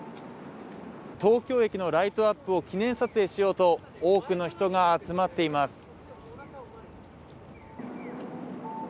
東京駅のライトアップを記念撮影しようと、多くの人が集まっています。